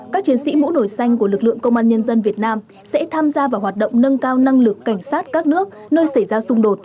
các chiến sĩ mũ nổi xanh của lực lượng công an nhân dân việt nam sẽ tham gia vào hoạt động nâng cao năng lực cảnh sát các nước nơi xảy ra xung đột